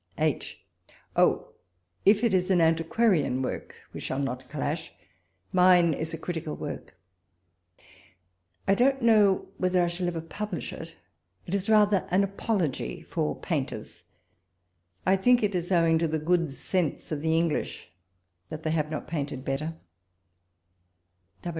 H. Oh ! if it is an antiquarian work, we shall not clash ; mine is a critical work ; I don't know whether I shall over publish it. It is rather an apology for painters. I think it is owing to the good sense of the English that they have not painted better.